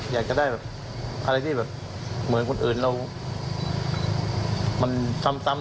อยากจะได้แบบอะไรที่แบบเหมือนคนอื่นเรามันซ้ำ